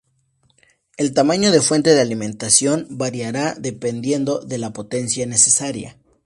El tamaño de fuente de alimentación variará dependiendo de la potencia necesaria.